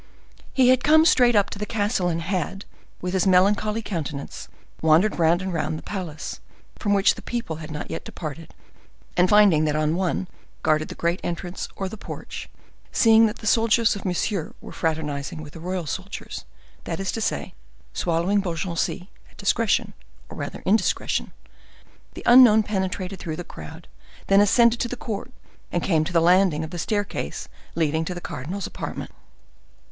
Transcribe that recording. He had come straight up to the castle, and had, with his melancholy countenance, wandered round and round the palace, from which the people had not yet departed; and finding that on one guarded the great entrance, or the porch, seeing that the soldiers of Monsieur were fraternizing with the royal soldiers—that is to say, swallowing Beaugency at discretion, or rather indiscretion—the unknown penetrated through the crowd, then ascended to the court, and came to the landing of the staircase leading to the cardinal's apartment.